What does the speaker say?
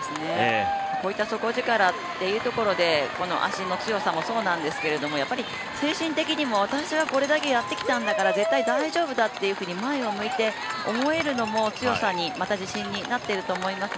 こういった底力というところでこの足の強さもそうなんですけど精神的にも私はこれだけやってきたんだから絶対大丈夫だと前を向いて思えるのも、強さにまた自信になってると思います。